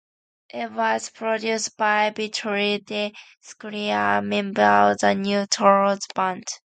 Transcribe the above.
It was produced by Vittorio De Scalzi, a member of the New Trolls band.